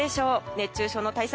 熱中症の対策